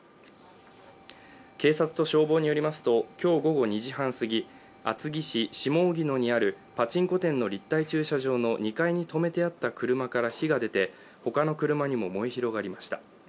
警察と消防によりますと、今日午後２時半すぎ厚木市下荻野にあるパチンコ店の立体駐車場の２階に止めてあった車から火が出て他の車にも燃え広がりました。